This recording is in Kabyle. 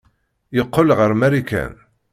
Yeqqel ɣer Marikan.